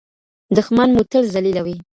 دښمن مو تل ذليله وي.